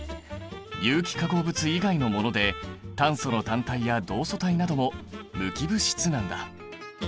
有機化合物以外のもので炭素の単体や同素体なども無機物質なんだ。